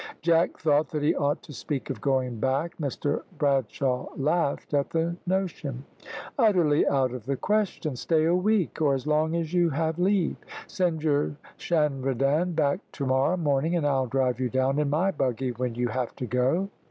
Jack thought that he ought to speak of going back. Mr Bradshaw laughed at the notion. "Utterly out of the question. Stay a week, or as long as you have leave. Send your shanredan back to morrow morning, and I'll drive you down in my buggy when you have to go."